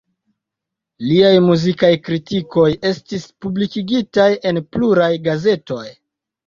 Liaj muzikaj kritikoj estis publikigitaj en pluraj gazetoj.